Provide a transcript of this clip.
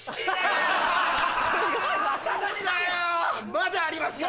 まだありますから！